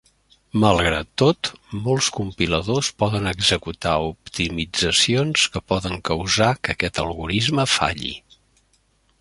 Malgrat tot, molts compiladors poden executar optimitzacions que poden causar que aquest algorisme falli.